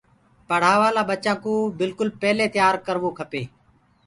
پڙهآوآ لآ ٻچآن ڪو بِلڪُل پيلي تيآ ڪروو ڪپي